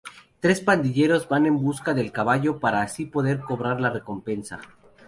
Tres pandilleros van en busca del caballo para así poder cobrar la recompensa.